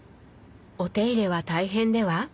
お手入れは大変では？